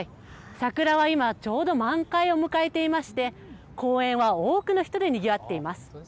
桜は今、ちょうど満開を迎えていまして、公園は多くの人でにぎわっています。